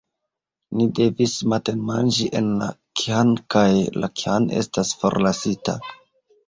Ni devis matenmanĝi en la khan kaj la khan estas forlasita!